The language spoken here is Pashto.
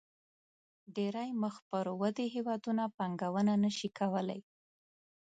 ډېری مخ پر ودې هېوادونه پانګونه نه شي کولای.